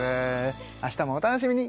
明日もお楽しみに